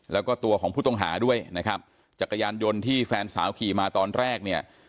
แล้วก็ตัวของผู้ต้องหาด้วยนะครับจักรยานยนต์ที่แฟนสาวขี่มาตอนแรกเนี่ย